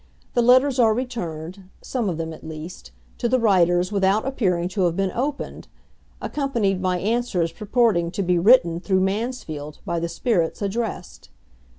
The letters are returned some of them at least to the writers without appearing to have been opened, accompanied by answers purporting to be written through Mansfield by the spirits addressed.